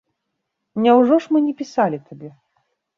Няўжо ж мы не пісалі табе?